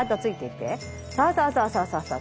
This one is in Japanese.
そうそうそうそう。